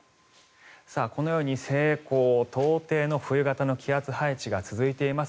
このように西高東低の冬型の気圧配置が続いています。